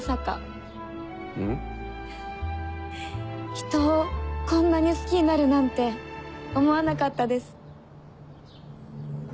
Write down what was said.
人をこんなに好きになるなんて思わなかったです。